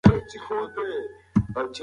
د ماشومانو لپاره دا ځای ښه دی.